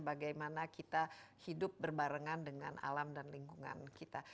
bagaimana kita hidup berbarengan dengan alam dan lingkungan kita